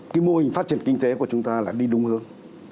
cái mô hình phát triển kinh tế của chúng ta là đi đúng hướng